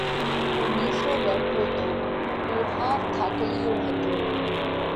اُو نِيسو ٻيٺو تو۔ اُو ۿاوَ ٿاڪلِيو هتو۔